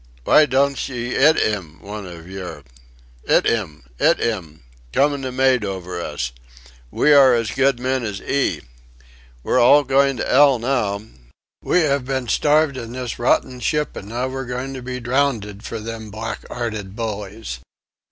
Vy donch 'ee 'it 'im one ov yer? 'It 'im. 'It 'im! Comin' the mate over us. We are as good men as 'ee! We're all goin' to 'ell now. We 'ave been starved in this rotten ship, an' now we're goin' to be drowned for them black 'earted bullies!